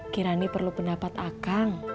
kirani perlu pendapat akang